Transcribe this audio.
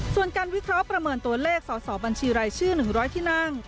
ส่วนการวิเคราะห์ประเมินตัวเลขสอสอบัญชีรายชื่อ๑๐๐ที่นั่ง